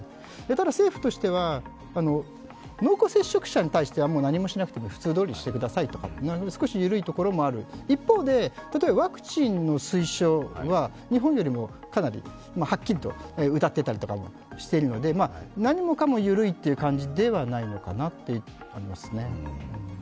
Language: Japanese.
ただ政府としては、濃厚接触者に対してはもう何もしなくていい、普通にしていてくださいと、少し緩いところもある一方で、ワクチンの推奨は日本よりも、かなりはっきりとうたってたりもするので何もかも緩いという感じではないのかなと思いますね。